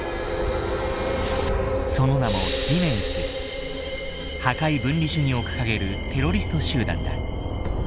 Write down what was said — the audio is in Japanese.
その名も破壊分離主義を掲げるテロリスト集団だ。